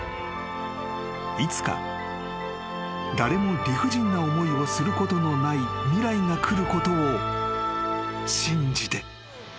［いつか誰も理不尽な思いをすることのない未来が来ることを信じて］